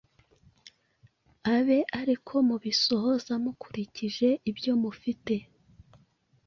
abe ariko mubisohoza mukurikije ibyo mufite;